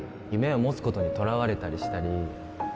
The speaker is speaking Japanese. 夢を持つことにとらわれたりしたり